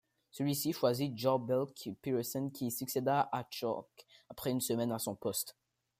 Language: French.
Celui-ci choisit Joh Bjelke-Petersen qui succéda à Chalk après une semaine à son poste.